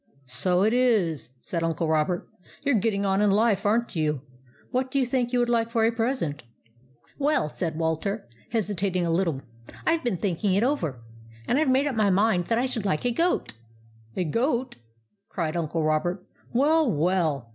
" So it is," said Uncle Robert. " You 're getting on in life, aren't you? What do you think you would like for a present ?" 8o THE ADVENTURES OF MABEL " Well," said Walter, hesitating a little, " I Ve been thinking it over, and I Ve made up my mind that I should like a goat." " A goat I " cried Uncle Robert. " Well, well